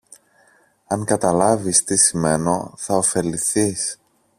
Αν καταλάβεις τι σημαίνω, θα ωφεληθείς